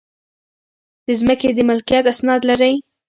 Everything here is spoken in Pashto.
د ځمکې د ملکیت اسناد لرئ؟